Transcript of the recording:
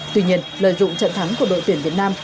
tuy nhiên lợi dụng trận thắng của đội tuyển việt nam